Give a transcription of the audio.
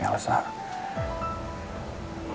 mereka harus membusuk di penjara